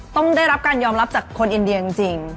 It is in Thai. ต้องได้รับการยอมรับจากคนอินเดียจริง